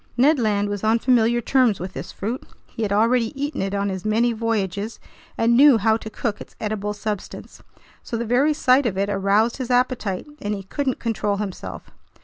Ned Land was on familiar terms with this fruit. He had already eaten it on his many voyages and knew how to cook its edible substance. So the very sight of it aroused his appetite, and he couldn't control himself.